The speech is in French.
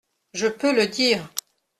Je peux le dire !…